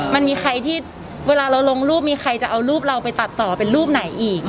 มันมีใครที่เวลาเราลงรูปมีใครจะเอารูปเราไปตัดต่อเป็นรูปไหนอีก